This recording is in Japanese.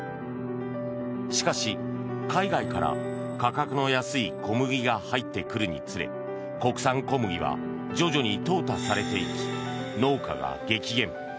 しかし、海外から価格の安い小麦が入ってくるにつれ国産小麦は徐々にとう汰されていき農家が激減。